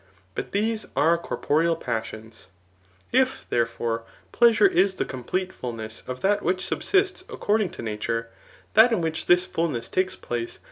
But these are corporeal passions. If, therefore, pleasure is the complete fulness of that which subsists according to nature, that in which this fuhxess takes place will also ' Viz.